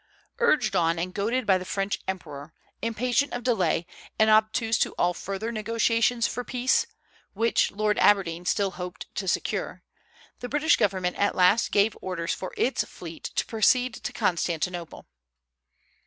Urged on and goaded by the French emperor, impatient of delay, and obtuse to all further negotiations for peace, which Lord Aberdeen still hoped to secure, the British government at last gave orders for its fleet to proceed to Constantinople.